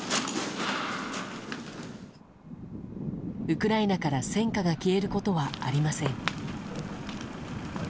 ウクライナから戦火が消えることはありません。